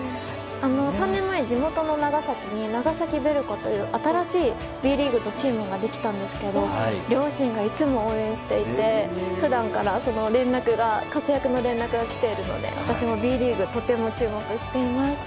３年前、地元の長崎にＢリーグの新しいチームができたんですが両親がいつも応援していて普段から活躍の連絡が来ているので私もＢリーグとても注目しています。